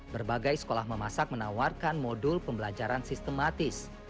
berbagai sekolah memasak menawarkan modul pembelajaran sistematis